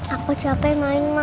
aku capek main ma